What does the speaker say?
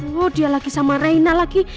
oh dia lagi sama reina lagi